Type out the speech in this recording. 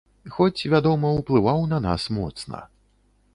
Хоць, вядома, уплываў на нас моцна.